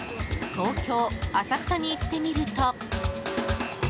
東京・浅草に行ってみると。